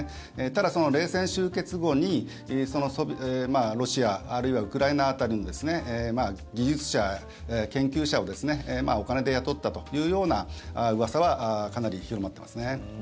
ただ、冷戦終結後にロシアあるいはウクライナ辺りの技術者、研究者をお金で雇ったというようなうわさはかなり広まっていますね。